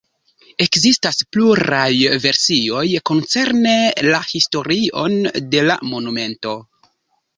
Ekzistas pluraj versioj koncerne la historion de la monumento.